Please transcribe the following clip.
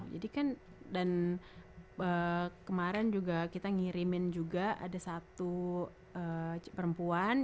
jadi kan dan kemarin juga kita ngirimin juga ada satu perempuan